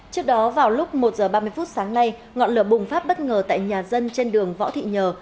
trước đó vào lúc một giờ ba mươi phút sáng nay ngọn lửa bùng phát bất ngờ tại nhà dân trên đường võ thị nhờ